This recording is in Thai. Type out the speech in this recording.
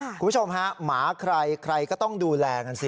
คุณผู้ชมฮะหมาใครใครก็ต้องดูแลกันสิ